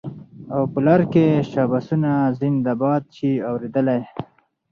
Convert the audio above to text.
او په لار کي شاباسونه زنده باد سې اورېدلای